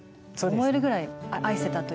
思えるぐらい愛せたというか。